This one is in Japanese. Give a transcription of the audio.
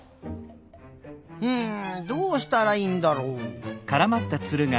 うんどうしたらいいんだろう。